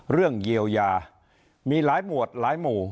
เรื่องเยียวยามีหลายหมวดหลายหมู่